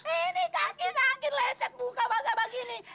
ini kaki sakit lecet buka bangsa begini